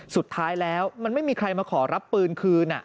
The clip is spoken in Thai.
สุดท้ายแล้วมันไม่มีใครมาขอรับปืนคืน